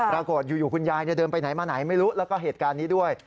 ปรากฏอยู่คุณยายเดินไปไหนมาไหนไม่รู้แล้วก็เหตุการณ์นี้ด้วย